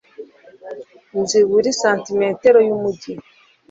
nzi buri santimetero yumujyi